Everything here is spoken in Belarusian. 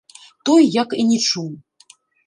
Той як і не чуў.